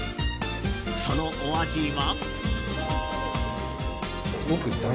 そのお味は。